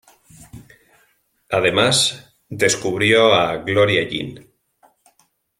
Además descubrió a Gloria Jean.